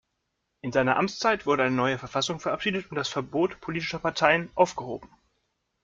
In seiner Amtszeit wurde eine neue Verfassung verabschiedet und das Verbot politischer Parteien aufgehoben.